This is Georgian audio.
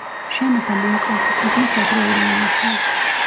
შენობა ნეოკლასიციზმის ადრეული ნიმუშია.